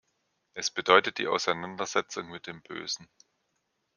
Es bedeutet die Auseinandersetzung mit dem Bösen.